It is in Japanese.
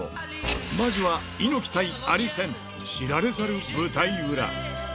まずは猪木対アリ戦、知られざる舞台裏。